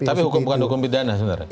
tapi bukan hukum pidana sebenarnya